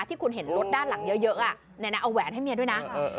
ที่คุณเห็นรถด้านหลังเยอะเยอะอ่ะน่ะน่ะเอาแหวนให้เมียด้วยน่ะเออเออ